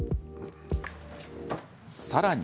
さらに。